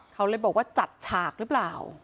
เขาเลยบอกว่าจัดฉากหรือเปล่า